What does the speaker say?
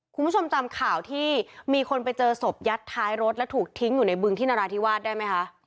คุณผู้ชมจำข่าวที่มีคนไปเจอศพยัดท้ายรถและถูกทิ้งอยู่ในบึงที่นราธิวาสได้ไหมคะ